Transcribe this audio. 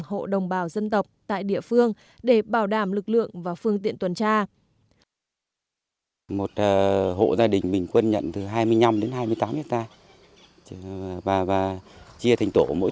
hộ đồng bào dân tộc tại địa phương để bảo đảm lực lượng và phương tiện tuần tra